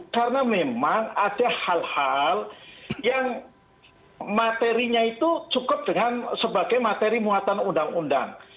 karena memang ada hal hal yang materinya itu cukup dengan sebagai materi muatan undang undang